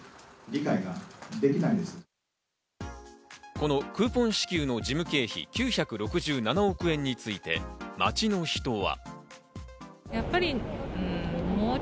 このクーポン支給の事務経費９６７億円について、街の人は。